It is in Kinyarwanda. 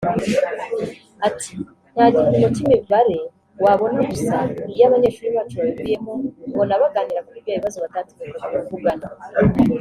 Ati “Nta gipimo cy’imibare wabona gusa iyo abanyeshuri bacu babivuyemo ubona baganira kuri bya bibazo batatinyukaga kuvugana